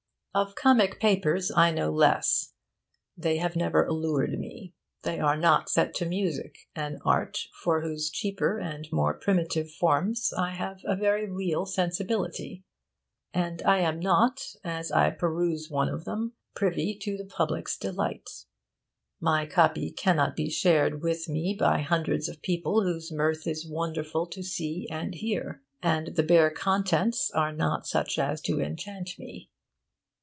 Of comic papers I know less. They have never allured me. They are not set to music an art for whose cheaper and more primitive forms I have a very real sensibility; and I am not, as I peruse one of them, privy to the public's delight: my copy cannot be shared with me by hundreds of people whose mirth is wonderful to see and hear. And the bare contents are not such as to enchant me.